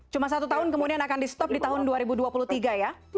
cuma satu tahun kemudian akan di stop di tahun dua ribu dua puluh tiga ya